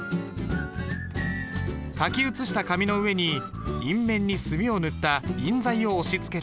書き写した紙の上に印面に墨を塗った印材を押しつける。